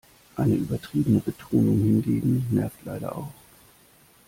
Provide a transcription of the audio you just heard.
Eine übertriebene Betonung hingegen nervt leider auch.